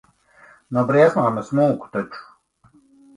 No briesmām es mūku taču.